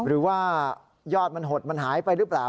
หรือว่ายอดมันหดมันหายไปหรือเปล่า